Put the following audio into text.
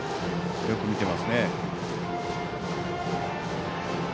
よく見ていますね。